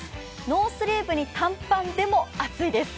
ノースリーブに短パンでも暑いです。